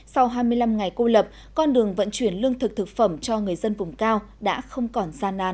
sau hai mươi năm ngày cô lập con đường vận chuyển lương thực thực phẩm cho người dân vùng cao đã không còn gian nan